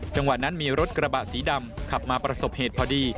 จังหวะนั้นมีรถกระบะสีดำขับมาประสบเหตุพอดี